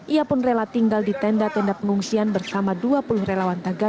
ia pun rela tinggal di tenda tenda pengungsian bersama dua puluh relawan